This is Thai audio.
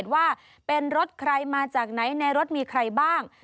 ว่าเป็นรถใครมาจากไหนในรถมีใครบ้าง